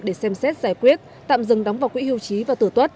để xem xét giải quyết tạm dừng đóng vào quỹ hưu trí và tử tuất